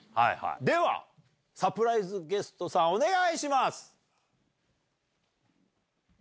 では、サプライズゲストさん、お願いします。